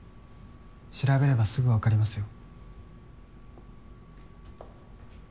調べればすぐわかりますよ。